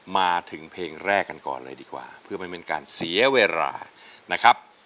มาถึงเพลงแรกกันก่อนเลยดีกว่าเพื่อไม่เป็นการเสียเวลานะครับ